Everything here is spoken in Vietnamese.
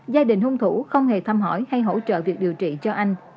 gia đình hung thủ không hề thăm hỏi hay hỗ trợ việc điều trị cho anh